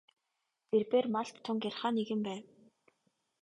Тэрбээр малд тун гярхай нэгэн байв.